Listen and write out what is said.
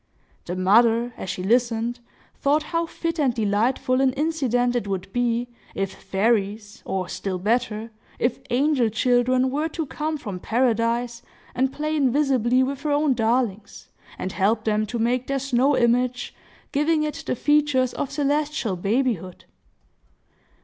The mother, as she listened, thought how fit and delightful an incident it would be, if fairies, or still better, if angel children were to come from paradise, and play invisibly with her own darlings, and help them to make their snow image, giving it the features of celestial babyhood!